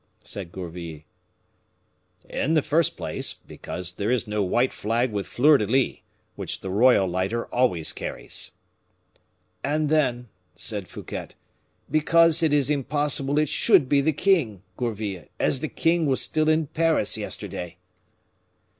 said Gourville. "In the first place, because there is no white flag with fleurs de lis, which the royal lighter always carries." "And then," said Fouquet, "because it is impossible it should be the king, Gourville, as the king was still in Paris yesterday."